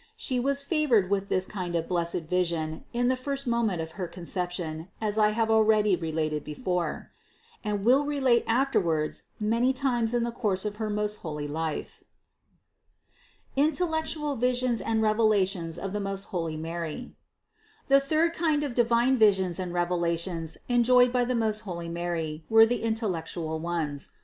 She was favored with this kind of blessed vision in the first moment of her Conception, as I have already related before (Supra, No. 228, 236, 311, 382, 388; infra, 731, 739; Part II 6 101; Part II 537), and will relate afterwards many times in the course of her most holy life. INTELLECTUAL VISIONS AND REVELATIONS OF THE MOST HOLY MARY. 634. The third kind of divine visions and revelations enjoyed by the most holy Mary were the intellectual ones.